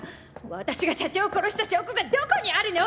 私が社長を殺した証拠がどこにあるの！？